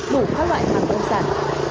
đủ các loại hàng công sản